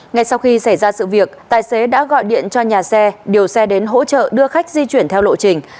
ngay sau khi xảy ra sự việc tài xế đã gọi điện cho nhà xe điều xe đến hỗ trợ đưa khách di chuyển theo lộ trình